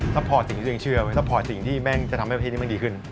ฝากยังเชื่อช่วยที่จะทำให้ประธิติดีขึ้น